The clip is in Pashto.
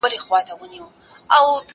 کتابونه وړه!؟